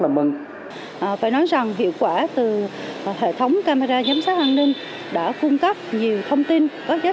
mà phải nói rằng hiệu quả từ hệ thống camera giám sát an ninh đã cung cấp nhiều thông tin có giá